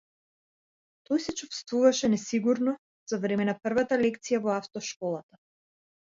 Тој се чувствуваше несигурно за време на првата лекција во автошколата.